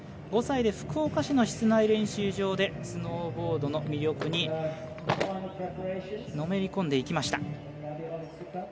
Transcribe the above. ５歳で福岡市の室内練習場でスノーボードの魅力にのめり込んでいきました。